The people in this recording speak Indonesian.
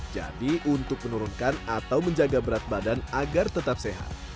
jadi untuk menurunkan atau menjaga berat badan agar tetap sehat